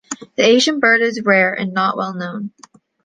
The Asian bird is rare and not well known.